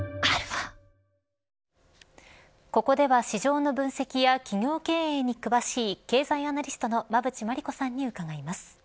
ここでは市場の分析や企業経営に詳しい経済アナリストの馬渕磨理子さんに伺います。